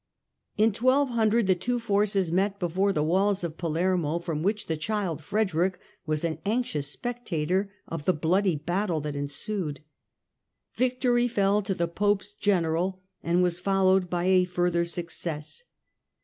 In 1 200 the two forces met before the walls of Palermo, from which the child Frederick was an anxious spectator of the bloody battle that ensued. Victory fell to the Pope's general and was followed by a further success.